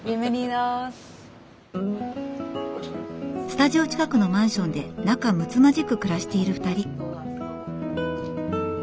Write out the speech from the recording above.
スタジオ近くのマンションで仲むつまじく暮らしている２人。